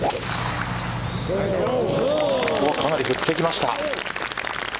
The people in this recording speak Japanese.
かなり振ってきました。